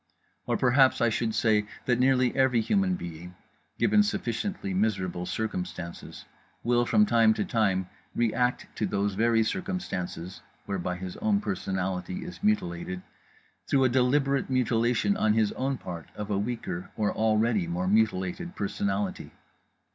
Or perhaps I should say that nearly every human being, given sufficiently miserable circumstances, will from time to time react to those very circumstances (whereby his own personality is mutilated) through a deliberate mutilation on his own part of a weaker or already more mutilated personality.